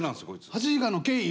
８時間の経緯